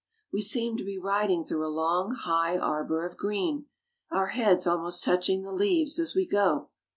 We seem to be riding through a long, high arbor of green, our heads almost touching the leaves as we go.